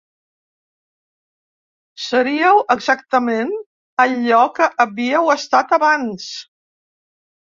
Seríeu exactament allò que havíeu estat abans.